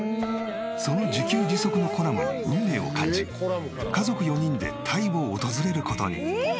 その自給自足のコラムに運命を感じ家族４人でタイを訪れる事に。